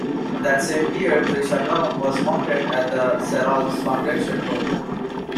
That same year, "Trisha Brown" was mounted at the Serralves Foundation, Porto.